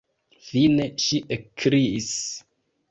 Fine ŝi ekkriis: